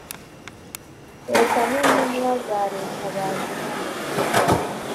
Leta n Intumwa za Leta baje hano